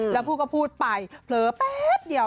แล้วพูดก็พูดไปเผลอแป๊บเดียว